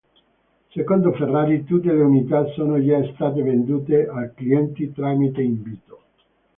Secondo Ferrari, tutte le unità sono già state vendute ai clienti tramite invito.